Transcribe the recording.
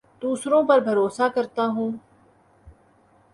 دوسروں پر بھروسہ کرتا ہوں